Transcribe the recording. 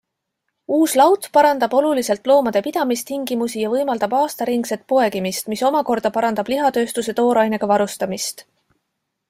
Uus laut parandab oluliselt loomade pidamistingimusi ja võimaldab aastaringset poegimist, mis omakorda parandab lihatööstuse toorainega varustamist.